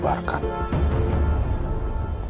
malah mereka kembali gobarkan